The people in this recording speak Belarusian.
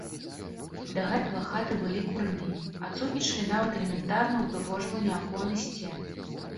Да гэтага хаты былі курнымі, адсутнічалі нават элементарныя ўпрыгожванні акон і сцен.